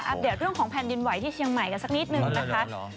เดตเรื่องของแผ่นดินไหวที่เชียงใหม่กันสักนิดนึงนะคะ